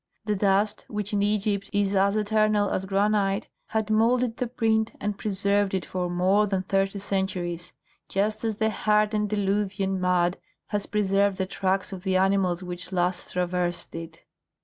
The dust, which in Egypt is as eternal as granite, had moulded the print and preserved it for more than thirty centuries, just as the hardened diluvian mud has preserved the tracks of the animals which last traversed it.